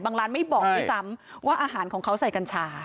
ร้านไม่บอกด้วยซ้ำว่าอาหารของเขาใส่กัญชา